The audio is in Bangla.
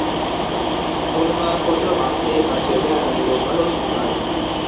মনোনয়নপত্র বাছাইয়ের কাজ চলবে আগামী রোববার ও সোমবার।